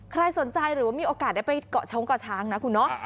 ใครสนใจหรือว่ามีโอกาสได้ไปเกาะช้างเกาะช้างนะคุณเนาะ